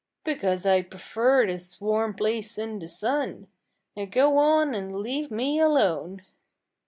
"Because I prefer this warm place in the sun. Now go on and leave me alone."